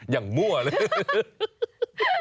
อย่างมั่วเลย